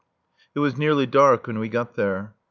It was nearly dark when we got there.